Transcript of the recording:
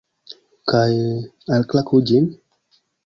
Kaj... alklaku ĝin?